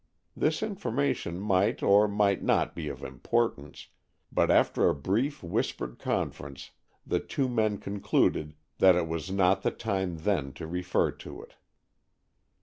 This information might or might not be of importance, but after a brief whispered conference, the two men concluded that it was not the time then to refer to it.